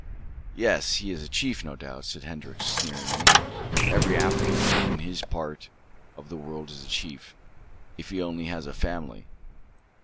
"Yes, he is a chief, no doubt," said Hendrik, sneeringly. "Every African in this part of the world is a chief, if he only has a family.